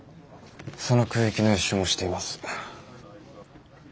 その空域の予習もしています。